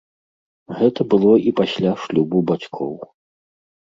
Гэтак было і пасля шлюбу бацькоў.